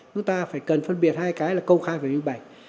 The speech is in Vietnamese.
chúng ta phải cần phân biệt hai cái là công khai và minh bạch